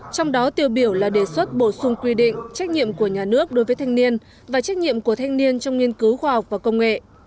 trong đó tiêu biểu là đề xuất bổ sung quy định trách nhiệm của nhà nước đối với thanh niên và trách nhiệm của thanh niên trong nghiên cứu khoa học và công nghệ